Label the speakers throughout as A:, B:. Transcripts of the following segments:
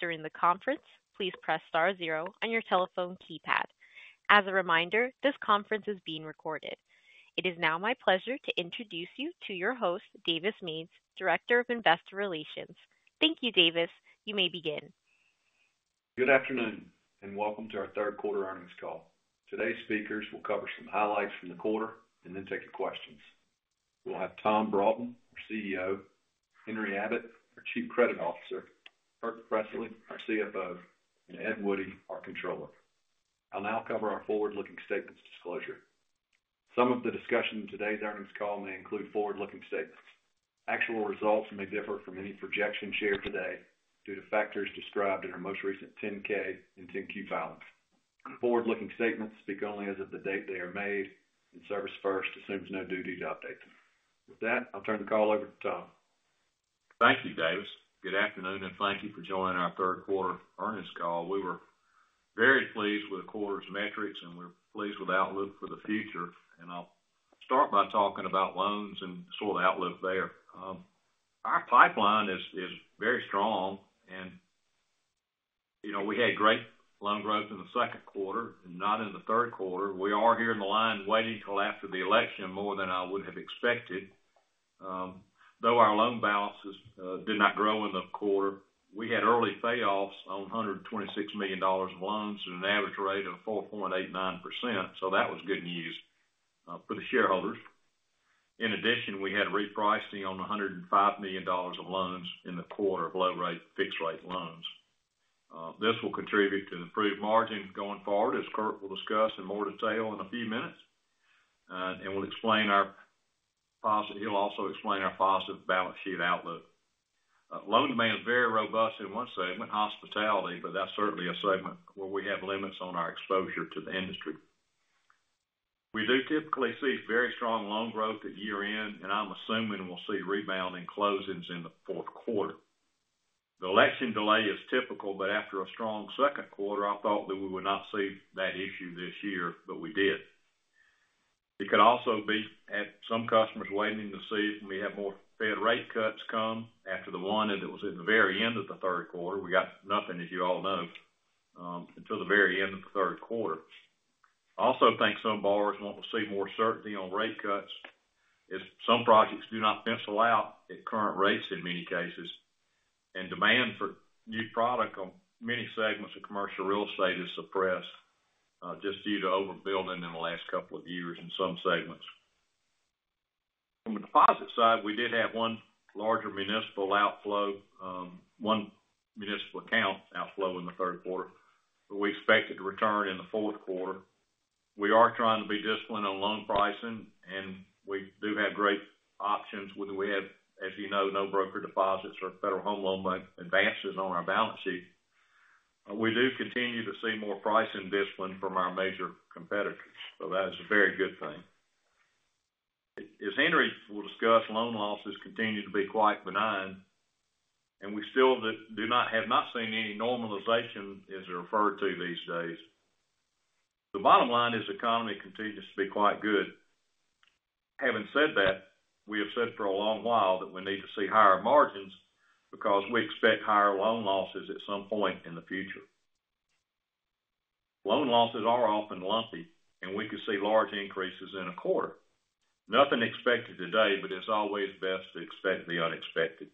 A: During the conference, please press star zero on your telephone keypad. As a reminder, this conference is being recorded. It is now my pleasure to introduce you to your host, Davis Mange, Director of Investor Relations. Thank you, Davis. You may begin.
B: Good afternoon, and welcome to our third quarter earnings call. Today's speakers will cover some highlights from the quarter and then take your questions. We'll have Tom Broughton, our CEO, Henry Abbott, our Chief Credit Officer, Kirk Pressley, our CFO, and Ed Woodie, our Controller. I'll now cover our forward-looking statements disclosure. Some of the discussion in today's earnings call may include forward-looking statements. Actual results may differ from any projections shared today due to factors described in our most recent 10-K and 10-Q filings. Forward-looking statements speak only as of the date they are made, and ServisFirst assumes no duty to update them. With that, I'll turn the call over to Tom.
C: Thank you, Davis. Good afternoon, and thank you for joining our third quarter earnings call. We were very pleased with the quarter's metrics, and we're pleased with the outlook for the future, and I'll start by talking about loans and sort of the outlook there. Our pipeline is very strong, and, you know, we had great loan growth in the second quarter, not in the third quarter. We are hearing clients waiting till after the election more than I would have expected. Though our loan balances did not grow in the quarter, we had early payoffs on $126 million of loans at an average rate of 4.89%, so that was good news for the shareholders. In addition, we had repricing on $105 million of loans in the quarter of low rate, fixed rate loans. This will contribute to improved margins going forward, as Kirk will discuss in more detail in a few minutes. He'll also explain our positive balance sheet outlook. Loan demand is very robust in one segment, hospitality, but that's certainly a segment where we have limits on our exposure to the industry. We do typically see very strong loan growth at year-end, and I'm assuming we'll see a rebound in closings in the fourth quarter. The election delay is typical, but after a strong second quarter, I thought that we would not see that issue this year, but we did. It could also be at some customers waiting to see if we have more Fed rate cuts come after the one, and it was at the very end of the third quarter. We got nothing, as you all know, until the very end of the third quarter. I also think some borrowers want to see more certainty on rate cuts, as some projects do not pencil out at current rates in many cases, and demand for new product on many segments of commercial real estate is suppressed, just due to overbuilding in the last couple of years in some segments. From the deposit side, we did have one larger municipal outflow, one municipal account outflow in the third quarter, but we expect it to return in the fourth quarter. We are trying to be disciplined on loan pricing, and we do have great options with what we have, as you know, no broker deposits or Federal Home Loan Bank advances on our balance sheet. We do continue to see more pricing discipline from our major competitors, so that is a very good thing. As Henry will discuss, loan losses continue to be quite benign, and we still have not seen any normalization, as they're referred to these days. The bottom line is, the economy continues to be quite good. Having said that, we have said for a long while that we need to see higher margins because we expect higher loan losses at some point in the future. Loan losses are often lumpy, and we could see large increases in a quarter. Nothing expected today, but it's always best to expect the unexpected.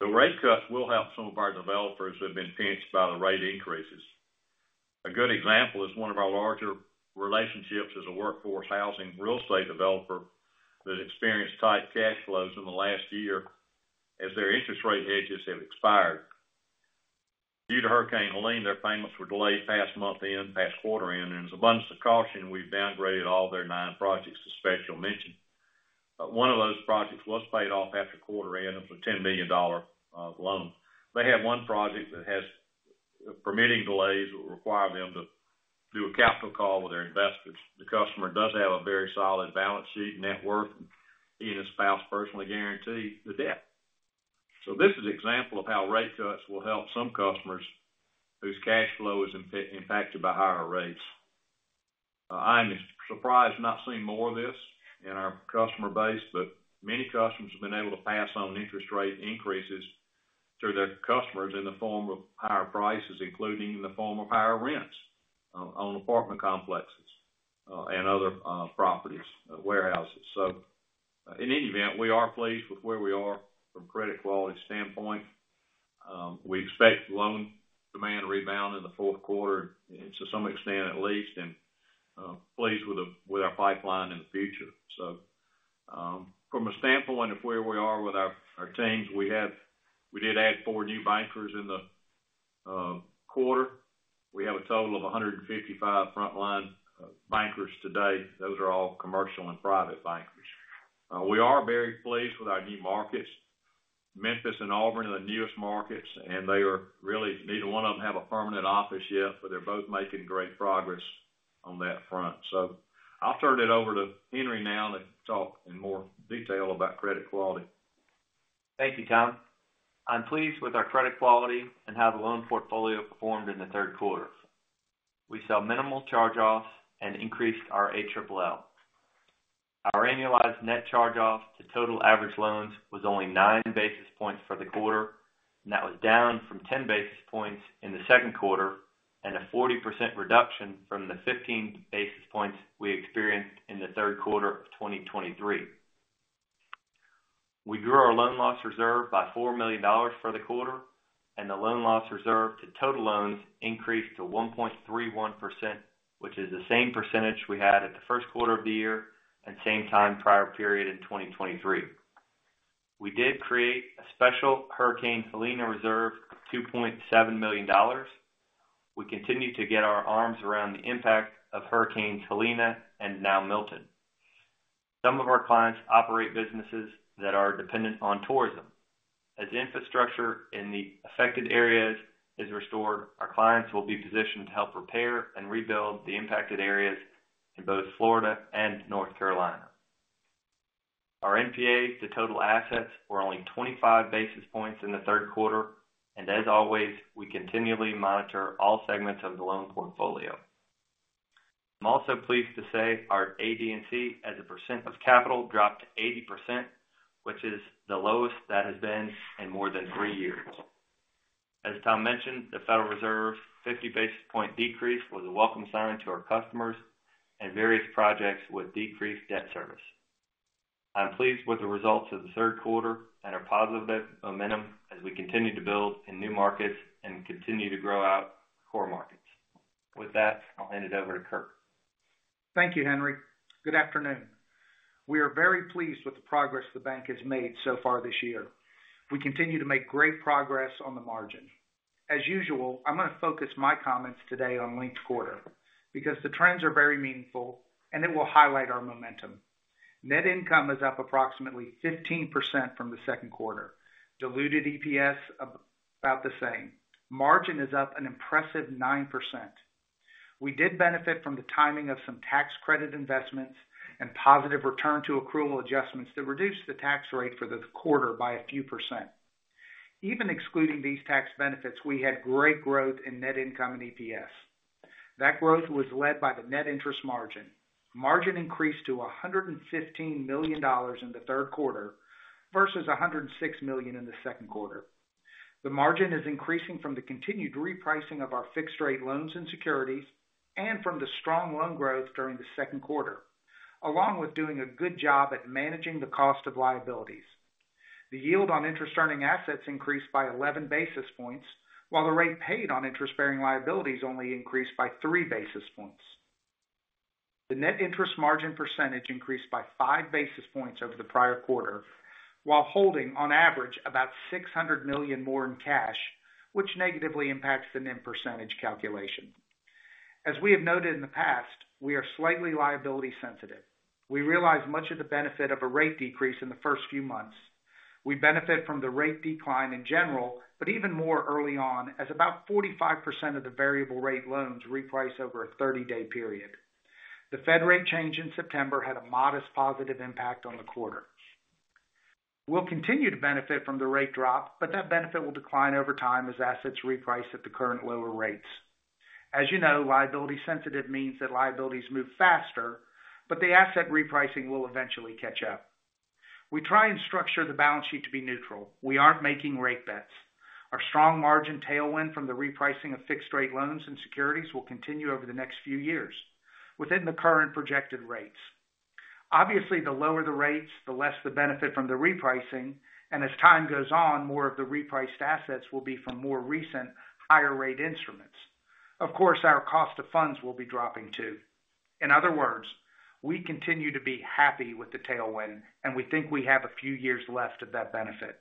C: The rate cuts will help some of our developers who have been pinched by the rate increases. A good example is one of our larger relationships as a workforce housing real estate developer that experienced tight cash flows in the last year as their interest rate hedges have expired. Due to Hurricane Helene, their payments were delayed past month end, past quarter end, and as abundance of caution, we've downgraded all their nine projects to Special Mention. But one of those projects was paid off after quarter end. It was a $10 million loan. They have one project that has permitting delays, which require them to do a capital call with their investors. The customer does have a very solid balance sheet, net worth, he and his spouse personally guarantee the debt. This is an example of how rate cuts will help some customers whose cash flow is impacted by higher rates. I am surprised not seeing more of this in our customer base, but many customers have been able to pass on interest rate increases to their customers in the form of higher prices, including in the form of higher rents on apartment complexes and other properties, warehouses. In any event, we are pleased with where we are from a credit quality standpoint. We expect loan demand to rebound in the fourth quarter, to some extent at least, and pleased with our pipeline in the future. From a standpoint of where we are with our teams, we did add four new bankers in the quarter. We have a total of 155 frontline bankers today. Those are all commercial and private bankers. We are very pleased with our new markets. Memphis and Auburn are the newest markets, and they are really. Neither one of them have a permanent office yet, but they're both making great progress on that front, so I'll turn it over to Henry now to talk in more detail about credit quality.
D: Thank you, Tom. I'm pleased with our credit quality and how the loan portfolio performed in the third quarter. We saw minimal charge-offs and increased our ALL. Our annualized net charge-offs to total average loans was only 9 basis points for the quarter, and that was down from 10 basis points in the second quarter, and a 40% reduction from the fifteen basis points we experienced in the third quarter of 2023. We grew our loan loss reserve by $4 million for the quarter, and the loan loss reserve to total loans increased to 1.31%, which is the same percentage we had at the first quarter of the year and same time prior period in 2023. We did create a special Hurricane Helene reserve of $2.7 million. We continue to get our arms around the impact of Hurricane Helene and now Milton. Some of our clients operate businesses that are dependent on tourism. As infrastructure in the affected areas is restored, our clients will be positioned to help repair and rebuild the impacted areas in both Florida and North Carolina. Our NPAs to total assets were only 25 basis points in the third quarter, and as always, we continually monitor all segments of the loan portfolio. I'm also pleased to say our AD&C, as a percent of capital, dropped to 80%, which is the lowest that has been in more than three years. As Tom mentioned, the Federal Reserve's 50 basis point decrease was a welcome sign to our customers and various projects with decreased debt service. I'm pleased with the results of the third quarter and our positive momentum as we continue to build in new markets and continue to grow our core markets. With that, I'll hand it over to Kirk.
E: Thank you, Henry. Good afternoon. We are very pleased with the progress the bank has made so far this year. We continue to make great progress on the margin. As usual, I'm going to focus my comments today on linked quarter, because the trends are very meaningful and it will highlight our momentum. Net income is up approximately 15% from the second quarter. Diluted EPS, about the same. Margin is up an impressive 9%. We did benefit from the timing of some tax credit investments and positive return to accrual adjustments that reduced the tax rate for the quarter by a few percent. Even excluding these tax benefits, we had great growth in net income and EPS. That growth was led by the net interest margin. Margin increased to $115 million in the third quarter versus $106 million in the second quarter. The margin is increasing from the continued repricing of our fixed rate loans and securities, and from the strong loan growth during the second quarter, along with doing a good job at managing the cost of liabilities. The yield on interest earning assets increased by 11 basis points, while the rate paid on interest-bearing liabilities only increased by 3 basis points. The net interest margin percentage increased by 5 basis points over the prior quarter, while holding, on average, about $600 million more in cash, which negatively impacts the NIM percentage calculation. As we have noted in the past, we are slightly liability sensitive. We realize much of the benefit of a rate decrease in the first few months. We benefit from the rate decline in general, but even more early on, as about 45% of the variable rate loans reprice over a 30-day period. The Fed rate change in September had a modest positive impact on the quarter. We'll continue to benefit from the rate drop, but that benefit will decline over time as assets reprice at the current lower rates. As you know, liability sensitive means that liabilities move faster, but the asset repricing will eventually catch up. We try and structure the balance sheet to be neutral. We aren't making rate bets. Our strong margin tailwind from the repricing of fixed rate loans and securities will continue over the next few years within the current projected rates. Obviously, the lower the rates, the less the benefit from the repricing, and as time goes on, more of the repriced assets will be from more recent higher rate instruments. Of course, our cost of funds will be dropping, too. In other words, we continue to be happy with the tailwind, and we think we have a few years left of that benefit.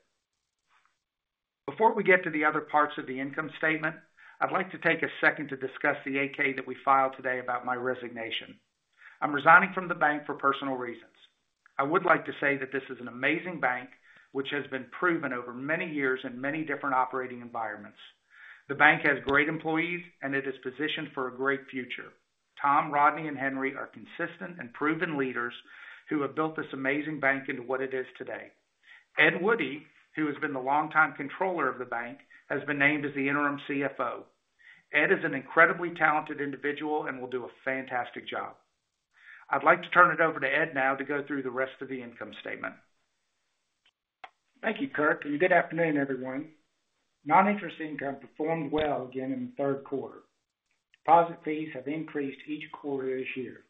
E: Before we get to the other parts of the income statement, I'd like to take a second to discuss the 8-K that we filed today about my resignation. I'm resigning from the bank for personal reasons. I would like to say that this is an amazing bank, which has been proven over many years in many different operating environments. The bank has great employees, and it is positioned for a great future. Tom, Rodney, and Henry are consistent and proven leaders who have built this amazing bank into what it is today. Ed Woodie, who has been the longtime controller of the bank, has been named as the Interim CFO. Ed is an incredibly talented individual and will do a fantastic job. I'd like to turn it over to Ed now to go through the rest of the income statement.
F: Thank you, Kirk, and good afternoon, everyone. Non-interest income performed well again in the third quarter. Deposit fees have increased each quarter this year.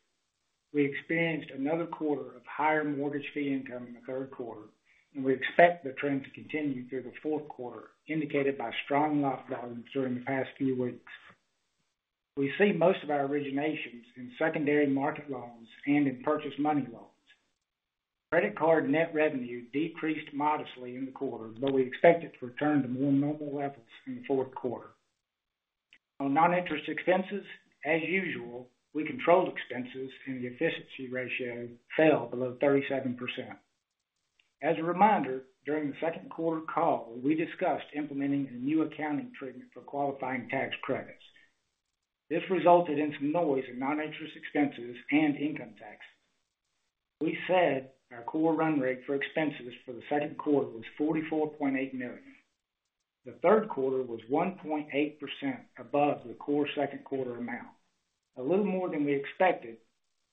F: We experienced another quarter of higher mortgage fee income in the third quarter, and we expect the trend to continue through the fourth quarter, indicated by strong lock volumes during the past few weeks. We see most of our originations in secondary market loans and in purchase money loans. Credit card net revenue decreased modestly in the quarter, but we expect it to return to more normal levels in the fourth quarter. On non-interest expenses, as usual, we controlled expenses and the efficiency ratio fell below 37%. As a reminder, during the second quarter call, we discussed implementing a new accounting treatment for qualifying tax credits. This resulted in some noise in non-interest expenses and income tax. We said our core run rate for expenses for the second quarter was $44.8 million. The third quarter was 1.8% above the core second quarter amount, a little more than we expected,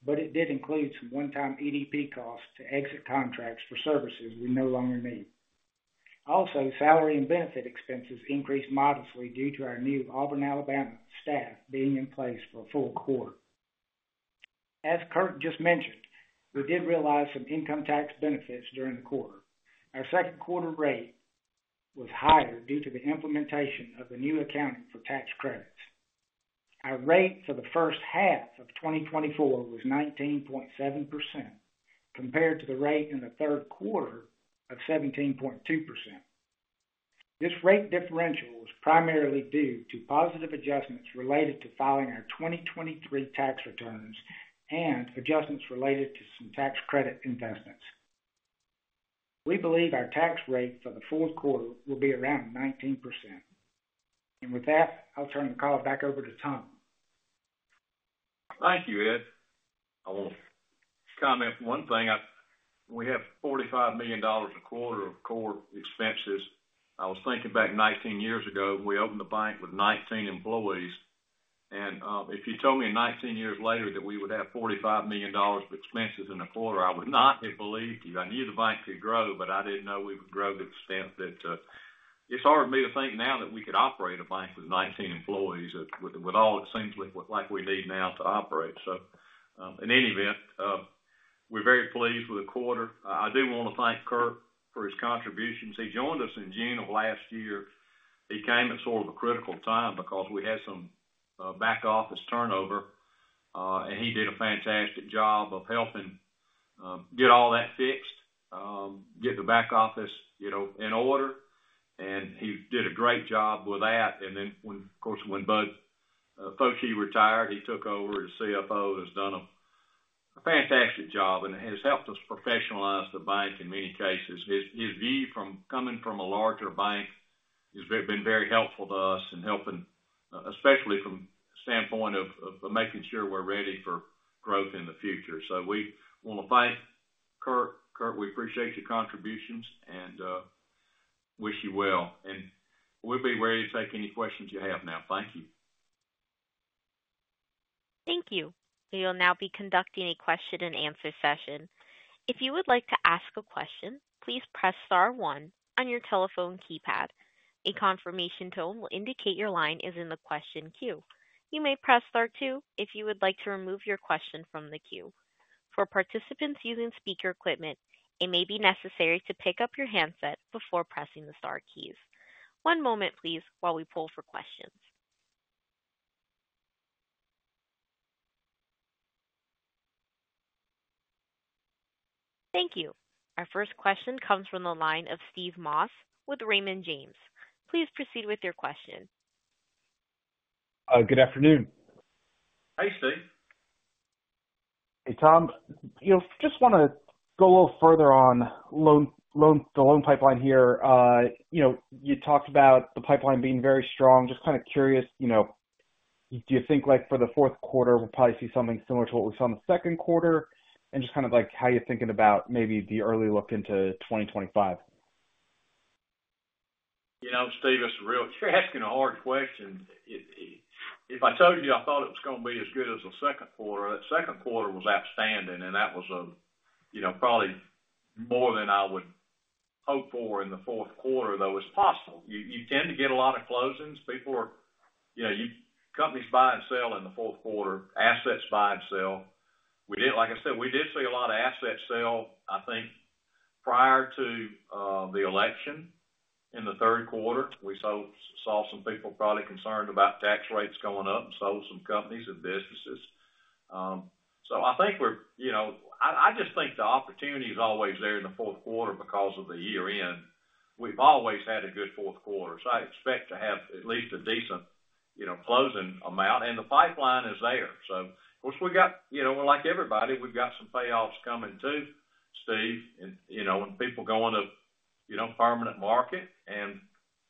F: but it did include some one-time EDP costs to exit contracts for services we no longer need. Also, salary and benefit expenses increased modestly due to our new Auburn, Alabama, staff being in place for a full quarter. As Kirk just mentioned, we did realize some income tax benefits during the quarter. Our second quarter rate was higher due to the implementation of the new accounting for tax credits. Our rate for the first half of 2024 was 19.7%, compared to the rate in the third quarter of 17.2%. This rate differential was primarily due to positive adjustments related to filing our 2023 tax returns and adjustments related to some tax credit investments. We believe our tax rate for the fourth quarter will be around 19%. And with that, I'll turn the call back over to Tom.
C: Thank you, Ed. I want to comment on one thing. We have $45 million a quarter of core expenses. I was thinking back nineteen years ago, we opened the bank with nineteen employees, and if you told me 19 years later that we would have $45 million of expenses in a quarter, I would not have believed you. I knew the bank could grow, but I didn't know we would grow to the extent that. It's hard for me to think now that we could operate a bank with nineteen employees, with all it seems like we need now to operate. So in any event, we're very pleased with the quarter. I do want to thank Kirk for his contributions. He joined us in June of last year. He came at sort of a critical time because we had some back office turnover, and he did a fantastic job of helping get all that fixed, get the back office, you know, in order, and he did a great job with that. And then when, of course, when Bud Foshee retired, he took over as CFO, and has done a fantastic job and has helped us professionalize the bank in many cases. His view from coming from a larger bank has very been very helpful to us in helping, especially from the standpoint of making sure we're ready for growth in the future. So we want to thank Kirk. Kirk, we appreciate your contributions and wish you well, and we'll be ready to take any questions you have now. Thank you.
A: Thank you. We will now be conducting a question and answer session. If you would like to ask a question, please press star one on your telephone keypad. A confirmation tone will indicate your line is in the question queue. You may press star two if you would like to remove your question from the queue. For participants using speaker equipment, it may be necessary to pick up your handset before pressing the star keys. One moment, please, while we pull for questions. Thank you. Our first question comes from the line of Steve Moss with Raymond James. Please proceed with your question.
G: Good afternoon.
C: Hey, Steve.
G: Hey, Tom. You know, just want to go a little further on loan, the loan pipeline here. You know, you talked about the pipeline being very strong. Just kind of curious, you know, do you think, like, for the fourth quarter, we'll probably see something similar to what we saw in the second quarter? And just kind of, like, how you're thinking about maybe the early look into twenty twenty-five.
C: You know, Steve, it's a real. You're asking a hard question. If I told you I thought it was going to be as good as the second quarter, that second quarter was outstanding, and that was, you know, probably more than I would hope for in the fourth quarter, though it's possible. You tend to get a lot of closings. People are. You know, companies buy and sell in the fourth quarter. Assets buy and sell. We did, like I said, we did see a lot of asset sale, I think, prior to the election in the third quarter. We saw some people probably concerned about tax rates going up and sold some companies and businesses. So I think we're, you know, I just think the opportunity is always there in the fourth quarter because of the year-end. We've always had a good fourth quarter, so I expect to have at least a decent, you know, closing amount, and the pipeline is there. So of course, we got, you know, like everybody, we've got some payoffs coming, too, Steve, and, you know, when people go on to, you know, permanent market, and,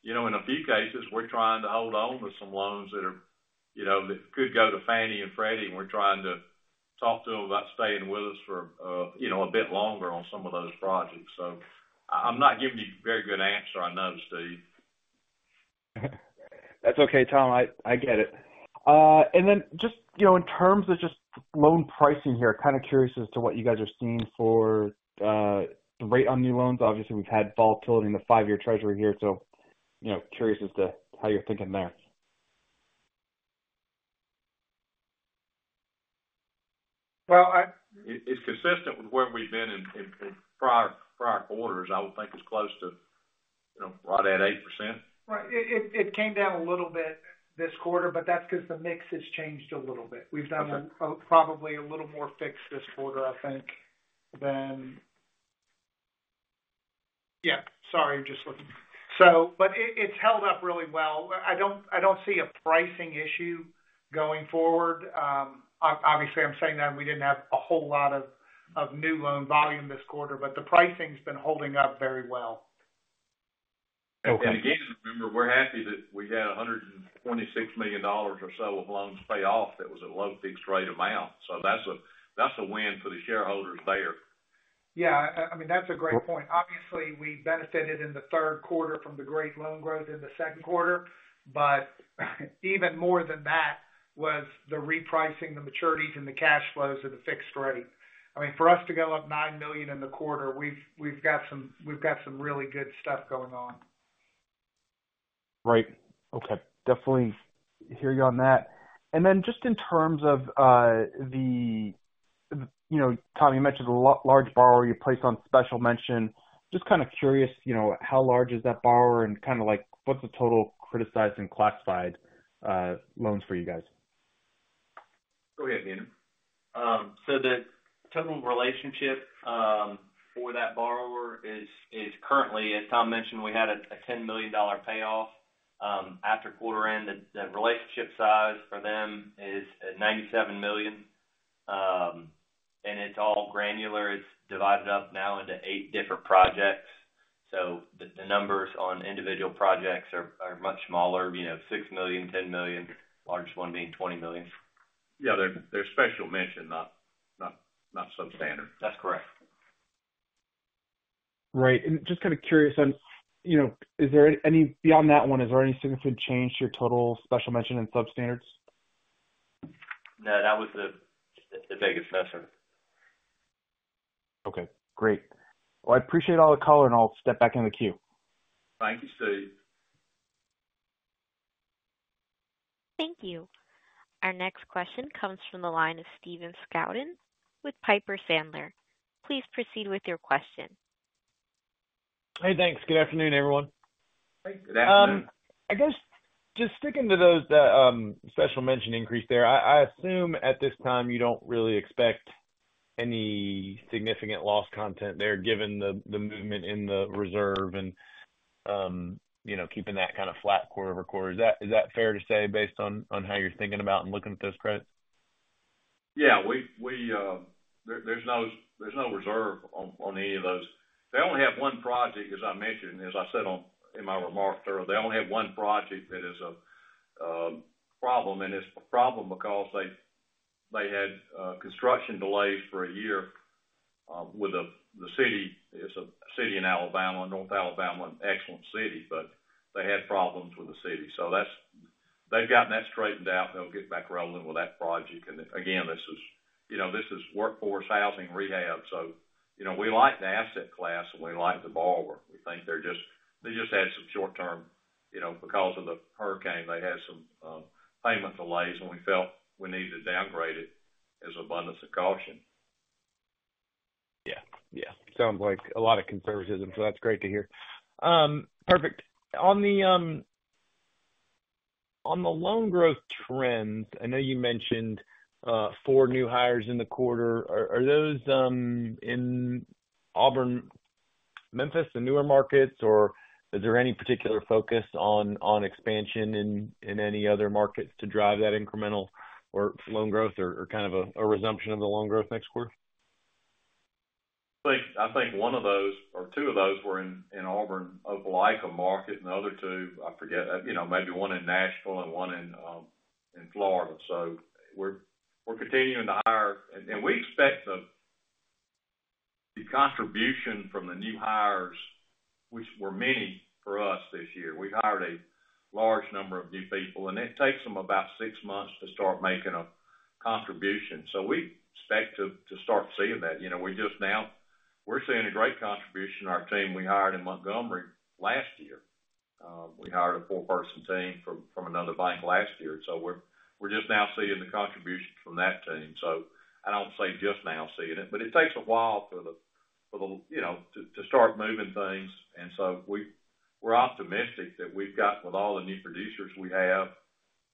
C: you know, in a few cases, we're trying to hold on to some loans that are, you know, that could go to Fannie and Freddie, and we're trying to talk to them about staying with us for, you know, a bit longer on some of those projects. So I'm not giving you a very good answer, I know, Steve.
G: That's okay, Tom. I get it. And then just, you know, in terms of just loan pricing here, kind of curious as to what you guys are seeing for the rate on new loans. Obviously, we've had volatility in the five-year Treasury here, so, you know, curious as to how you're thinking there.
C: It's consistent with where we've been in prior quarters. I would think it's close to, you know, right at 8%.
F: Right. It came down a little bit this quarter, but that's because the mix has changed a little bit.
G: Okay.
F: We've done probably a little more fixed this quarter, I think, than... Yeah, sorry, I'm just looking. So, but it, it's held up really well. I don't see a pricing issue going forward. Obviously, I'm saying that we didn't have a whole lot of new loan volume this quarter, but the pricing's been holding up very well.
G: Okay.
C: Again, remember, we're happy that we had $126 million or so of loans pay off. That was a low fixed rate amount, so that's a, that's a win for the shareholders there.
F: Yeah, I mean, that's a great point. Obviously, we benefited in the third quarter from the great loan growth in the second quarter, but even more than that was the repricing, the maturities, and the cash flows of the fixed rate. I mean, for us to go up nine million in the quarter, we've got some really good stuff going on.
G: Right. Okay, definitely hear you on that. And then just in terms of the, you know, Tom, you mentioned a large borrower you placed on Special Mention. Just kind of curious, you know, how large is that borrower? And kind of like, what's the total criticized and classified loans for you guys?
C: Go ahead, Daniel.
H: So the total relationship for that borrower is currently, as Tom mentioned, we had a $10 million payoff. After quarter end, the relationship size for them is at $97 million. And it's all granular. It's divided up now into eight different projects. So the numbers on individual projects are much smaller, you know, $6 million, $10 million, largest one being $20 million.
C: Yeah, they're special mention, not Substandard.
H: That's correct.
G: Right, and just kind of curious on, you know, beyond that one, is there any significant change to your total special mention and Substandards?
H: No, that was the biggest mention.
G: Okay, great. Well, I appreciate all the color, and I'll step back in the queue.
C: Thank you, Steve.
A: Thank you. Our next question comes from the line of Steven Scouten with Piper Sandler. Please proceed with your question.
I: Hey, thanks. Good afternoon, everyone.
C: Hey, good afternoon.
I: I guess just sticking to those, the special mention increase there, I assume at this time, you don't really expect any significant loss content there, given the movement in the reserve and, you know, keeping that kind of flat quarter-over-quarter. Is that fair to say based on how you're thinking about and looking at those credits?
C: Yeah, we. There's no reserve on any of those. They only have one project, as I mentioned, as I said in my remarks earlier, they only have one project that is a problem, and it's a problem because they had construction delays for a year with the city. It's a city in Alabama, North Alabama, an excellent city, but they had problems with the city. So that's. They've gotten that straightened out, and they'll get back rolling with that project. And again, this is, you know, this is workforce housing rehab. So, you know, we like the asset class, and we like the borrower. We think they just had some short-term, you know, because of the hurricane, they had some payment delays, and we felt we needed to downgrade it out of an abundance of caution.
I: Yeah. Yeah, sounds like a lot of conservatism, so that's great to hear. Perfect. On the loan growth trends, I know you mentioned four new hires in the quarter. Are those in Auburn, Memphis, the newer markets, or is there any particular focus on expansion in any other markets to drive that incremental or loan growth or kind of a resumption of the loan growth next quarter?
C: I think one of those or two of those were in Auburn, Opelika market, and the other two, I forget. You know, maybe one in Nashville and one in Florida. So we're continuing to hire, and we expect the contribution from the new hires, which were many for us this year. We hired a large number of new people, and it takes them about six months to start making a contribution. So we expect to start seeing that. You know, we're just now seeing a great contribution from our team we hired in Montgomery last year. We hired a four-person team from another bank last year, so we're just now seeing the contributions from that team. So I don't want to say just now seeing it, but it takes a while for the you know to start moving things, and so we're optimistic that we've got with all the new producers we have.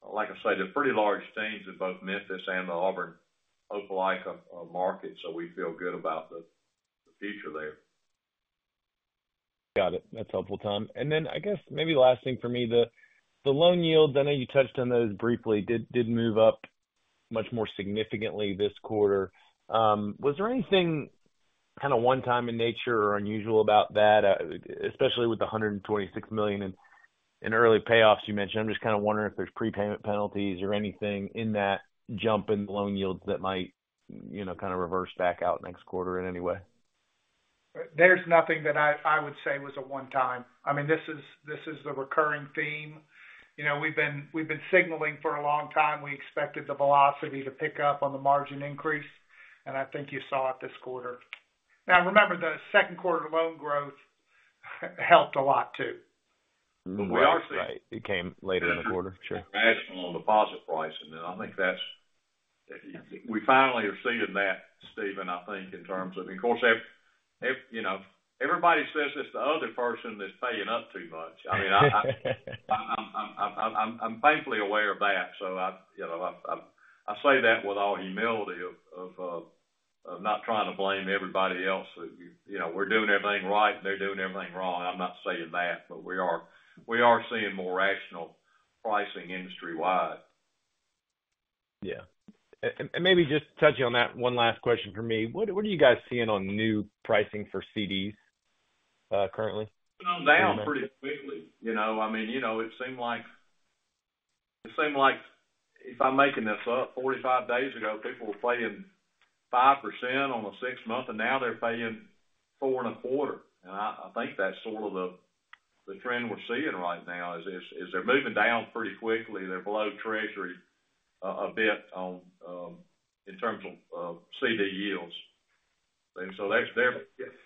C: Like I said, they're pretty large teams in both Memphis and the Auburn, Opelika market, so we feel good about the future there.
I: Got it. That's helpful, Tom. And then I guess maybe the last thing for me, the loan yields, I know you touched on those briefly, did move up much more significantly this quarter. Was there anything kind of one time in nature or unusual about that, especially with the $126 million in early payoffs you mentioned? I'm just kind of wondering if there's prepayment penalties or anything in that jump in loan yields that might, you know, kind of reverse back out next quarter in any way.
F: There's nothing that I would say was a one time. I mean, this is the recurring theme. You know, we've been signaling for a long time, we expected the velocity to pick up on the margin increase, and I think you saw it this quarter. Now, remember, the second quarter loan growth helped a lot, too.
I: Mm-hmm.
F: But we are seeing-
I: Right. It came later in the quarter. Sure.
C: Rational deposit pricing, and I think that's... We finally are seeing that, Steven, I think, in terms of-- of course, everybody says it's the other person that's paying up too much. I mean, I'm thankfully aware of that. So I, you know, say that with all humility of not trying to blame everybody else. So, you know, we're doing everything right, they're doing everything wrong. I'm not saying that, but we are seeing more rational pricing industry-wide.
I: Yeah. And maybe just touching on that, one last question for me. What are you guys seeing on new pricing for CDs currently?
C: Going down pretty quickly. You know, I mean, you know, it seemed like if I'm making this up, 45 days ago, people were paying 5% on a six-month, and now they're paying 4.25%. And I think that's sort of the trend we're seeing right now, is they're moving down pretty quickly. They're below Treasury a bit on in terms of CD yields. And so that's there. Of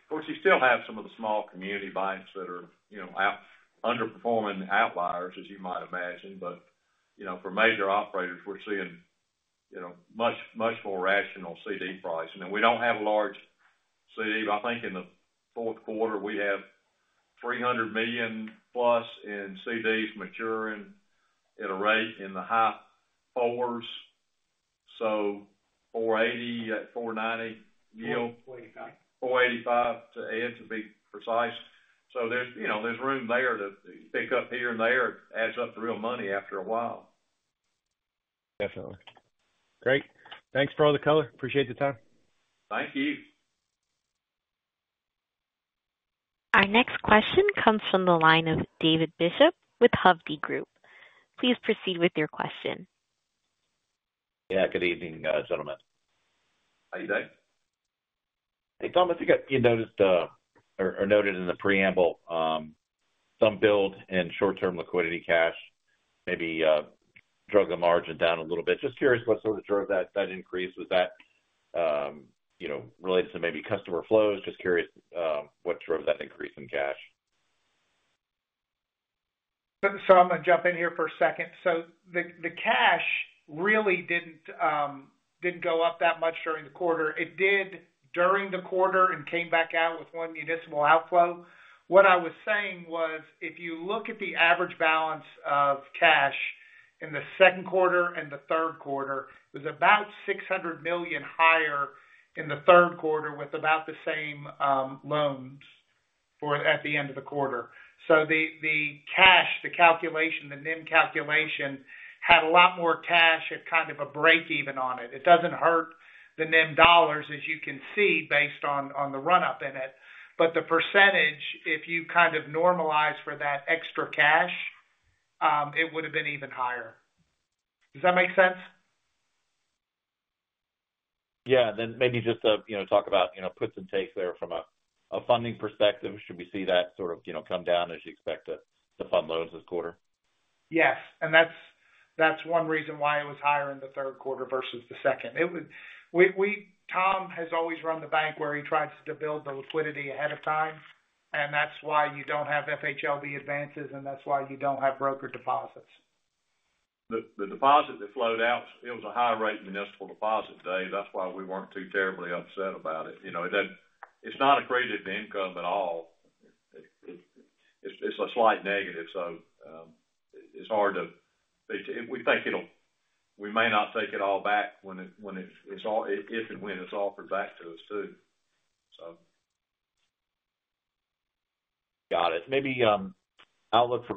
C: course, you still have some of the small community banks that are, you know, out underperforming outliers, as you might imagine. But, you know, for major operators, we're seeing, you know, much, much more rational CD pricing. And we don't have a large CD. I think in the fourth quarter, we have $300 million plus in CDs maturing at a rate in the high fours, so 480, at 490 yield, 485. 485 to add, to be precise. So there's, you know, there's room there to pick up here and there. Adds up to real money after a while.
J: Definitely. Great. Thanks for all the color. Appreciate the time.
C: Thank you.
A: Our next question comes from the line of David Bishop with Hovde Group. Please proceed with your question.
J: Yeah, good evening, gentlemen. Hi, Dave. Hey, Thomas, you noticed or noted in the preamble some build in short-term liquidity cash, maybe drove the margin down a little bit. Just curious, what sort of drove that increase? Was that, you know, related to maybe customer flows? Just curious, what drove that increase in cash?
F: So I'm going to jump in here for a second. The cash really didn't go up that much during the quarter. It did during the quarter and came back out with one municipal outflow. What I was saying was, if you look at the average balance of cash in the second quarter and the third quarter, it was about $600 million higher in the third quarter, with about the same loans at the end of the quarter. The cash calculation, the NIM calculation, had a lot more cash at kind of a break even on it. It doesn't hurt the NIM dollars, as you can see, based on the run-up in it. But the percentage, if you kind of normalize for that extra cash, it would have been even higher. Does that make sense?
J: Yeah. Then maybe just to, you know, talk about, you know, puts and takes there from a, a funding perspective. Should we see that sort of, you know, come down as you expect to, to fund loans this quarter?
F: Yes, and that's one reason why it was higher in the third quarter versus the second. Tom has always run the bank where he tries to build the liquidity ahead of time, and that's why you don't have FHLB advances, and that's why you don't have broker deposits.
C: The deposit that flowed out, it was a high-rate municipal deposit, Dave. That's why we weren't too terribly upset about it. You know, it doesn't. It's not accretive to income at all. It's a slight negative, so it's hard to. We think it'll. We may not take it all back when it's all, if and when it's offered back to us, too, so.
J: Got it. Maybe, outlook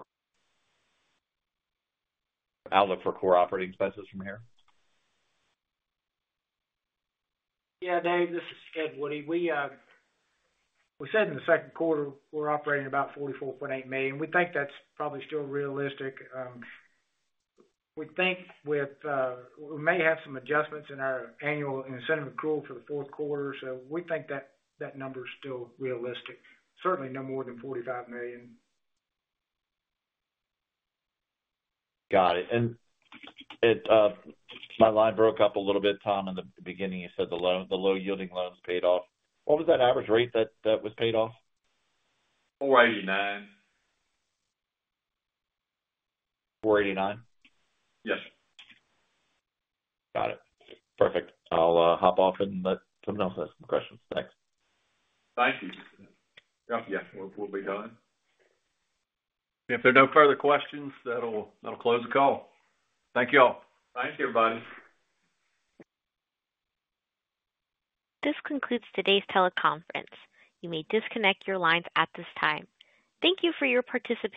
J: for core operating expenses from here?
F: Yeah, Dave, this is Ed Woody. We said in the second quarter, we're operating about $44.8 million. We think that's probably still realistic. We think with, we may have some adjustments in our annual incentive accrual for the fourth quarter. So we think that, that number is still realistic. Certainly, no more than $45 million.
J: Got it. And it, my line broke up a little bit, Tom, in the beginning. You said the loan, the low-yielding loans paid off. What was that average rate that was paid off?
C: 489.
J: 489?
C: Yes.
J: Got it. Perfect. I'll hop off and let someone else ask questions. Thanks.
C: Thank you. Yeah. Yes, we'll be done.
J: If there are no further questions, that'll close the call. Thank you all.
C: Thank you, everybody.
A: This concludes today's teleconference. You may disconnect your lines at this time. Thank you for your participation.